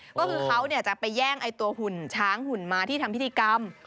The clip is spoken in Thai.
ก็คือเขาจะไปแย่งไอ้ตัวหุ่นช้างหุ่นม้าที่ทำพิธีกรรม